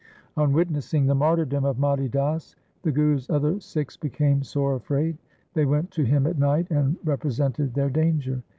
On witnessing the martyrdom of Mati Das, the Guru's other Sikhs became sore afraid. They went to him at night and represented their danger.